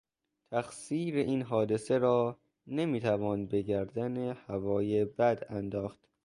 تقصیر این حادثه را نمیتوان به گردن هوای بد انداخت.